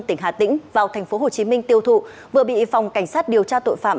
tỉnh hà tĩnh vào tp hcm tiêu thụ vừa bị phòng cảnh sát điều tra tội phạm